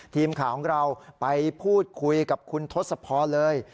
ทีมข่าวของเราไปพูดคุยกับคุณทศพรเลย